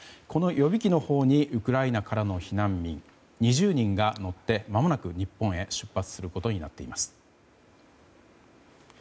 この予備機のほうにウクライナからの避難民２０人が乗って、間もなく日本へ出発することになっています。